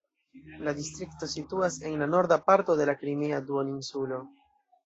La distrikto situas en la norda parto de la Krimea duoninsulo.